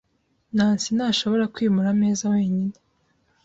Nancy ntashobora kwimura ameza wenyine .